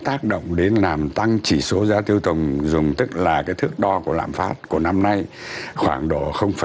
tác động đến làm tăng chỉ số giá tiêu tồng dùng tức là cái thước đo của lạm phát của năm nay khoảng độ bốn mươi bốn